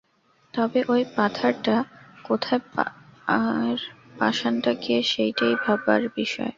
তবে ঐ পাথারটা কোথায় আর পাষাণটা কে সেইটেই ভাববার বিষয়।